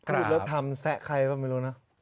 พูดแล้วทำแซะใครบ้างไม่รู้นะ